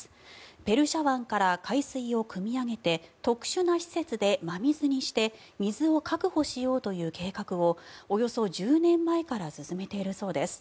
ペルシャ湾から海水をくみ上げて特殊な施設で真水にして水を確保しようという計画をおよそ１０年前から進めているそうです。